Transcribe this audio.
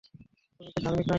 তুমি কি ধার্মিক না-কি?